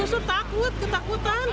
ya justru takut ketakutan